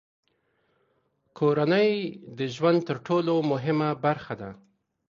کورنۍ د ژوند تر ټولو مهمه برخه ده.